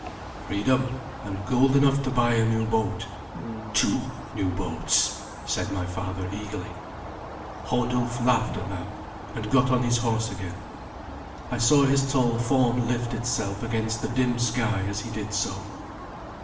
"Freedom, and gold enough to buy a new boat two new boats!" said my father eagerly. Hodulf laughed at that, and got on his horse again. I saw his tall form lift itself against the dim sky as he did so.